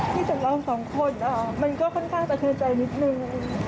ที่สำคัญเราสองคนมันก็ค่อนข้างสะเทินใจนิดนึง